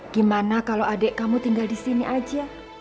gimana kalo adek kamu tinggal disini aja